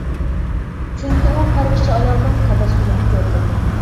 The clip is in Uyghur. چۈنكى ئۇ پەرۋىشچى ئايالنىڭ تەبەسسۇمىنى كۆردى.